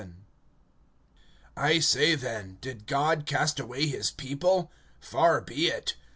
XI. I SAY then, did God cast away his people? Far be it!